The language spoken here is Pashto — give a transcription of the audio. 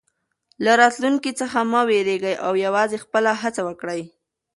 له راتلونکي څخه مه وېرېږئ او یوازې خپله هڅه وکړئ.